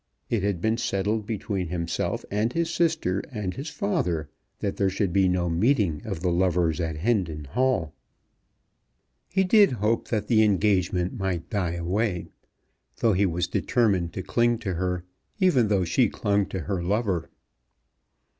It had been settled between himself and his sister and his father that there should be no meeting of the lovers at Hendon Hall. He did hope that the engagement might die away, though he was determined to cling to her even though she clung to her lover.